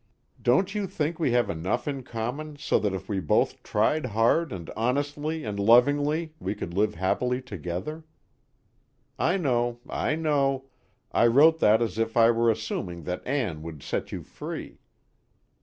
Don't you think we have enough in common so that if we both tried hard and honestly and lovingly, we could live happily together? "I know, I know I wrote that as if I were assuming that Ann would set you free.